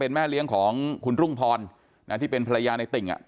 แม่เลี้ยงของคุณรุ่งพรที่เป็นภรรยาในติ่ง